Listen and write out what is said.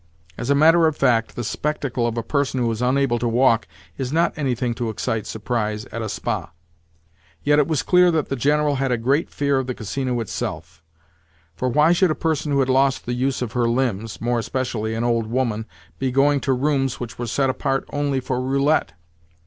As a matter of fact, the spectacle of a person who is unable to walk is not anything to excite surprise at a spa. Yet it was clear that the General had a great fear of the Casino itself: for why should a person who had lost the use of her limbs—more especially an old woman—be going to rooms which were set apart only for roulette?